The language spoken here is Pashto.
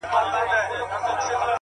همدا اوس وايم درته،